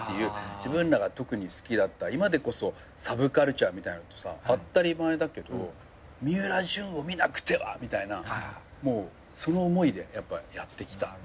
自分らが特に好きだった今でこそサブカルチャーみたいのってさ当たり前だけどみうらじゅんを見なくてはみたいなもうその思いでやっぱやってきた。